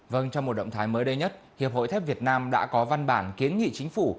vâng trong một động thái mới đây nhất hiệp hội thép việt nam đã có văn bản kiến nghị chính phủ